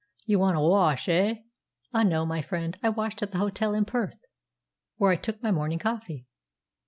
"You want a wash, eh?" "Ah, no, my friend. I washed at the hotel in Perth, where I took my morning coffee.